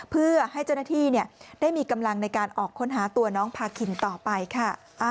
เพื่อให้เจ้าหน้าที่ได้มีกำลังในการออกค้นหาตัวน้องพาคินต่อไปค่ะ